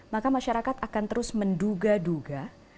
maka masyarakat akan terus menduga duga